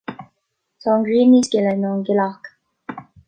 Tá an ghrian níos gile ná an ghealach,